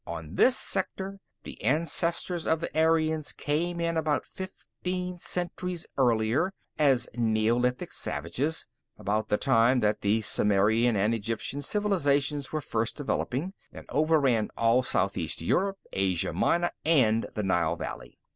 On this sector, the ancestors of the Aryans came in about fifteen centuries earlier, as neolithic savages, about the time that the Sumerian and Egyptian civilizations were first developing, and overran all southeast Europe, Asia Minor and the Nile Valley.